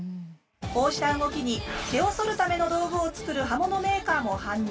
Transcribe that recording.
こうした動きに毛をそるための道具を作る刃物メーカーも反応。